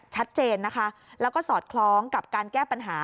ชัดเจนนะคะแล้วก็สอดคล้องกับการแก้ปัญหา